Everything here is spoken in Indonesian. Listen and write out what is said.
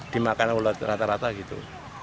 dimakan ulat rata rata gitu